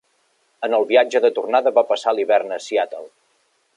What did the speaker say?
En el viatge de tornada va passar l'hivern a Seattle.